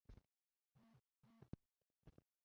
楝叶吴萸为芸香科吴茱萸属的植物。